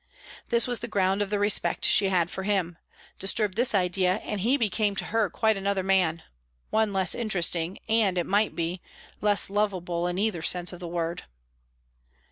This was the ground of the respect she had for him; disturb this idea, and he became to her quite another man one less interesting, and, it might be, less lovable in either sense of the word.